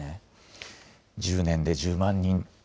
１０年で１０万人。